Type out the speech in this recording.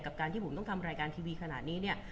การที่ผมต้องทำรายการทีวีขนาดนี้เนี่ย